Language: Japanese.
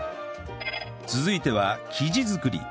続いては生地作り